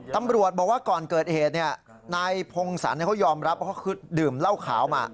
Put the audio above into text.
ตำรวจบอกว่าก่อนเกิดเหตุนายพงศรเขายอมรับว่าเขาดื่มเหล้าขาวมา